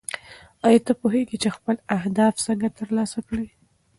ایا ته پوهېږې چې خپل اهداف څنګه ترلاسه کړې؟